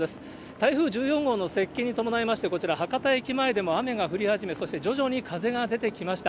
台風１４号の接近に伴いまして、こちら、博多駅前でも雨が降り始め、そして徐々に風が出てきました。